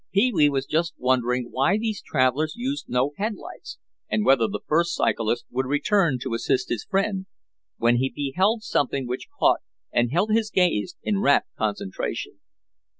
Pee wee was just wondering why these travelers used no headlights and whether the first cyclist would return to assist his friend, when he beheld something which caught and held his gaze in rapt concentration.